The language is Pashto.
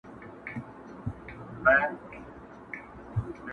توره شپه يې سوله جوړه پر چشمانو؛